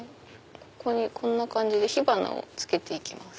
ここにこんな感じで火花を付けて行きます。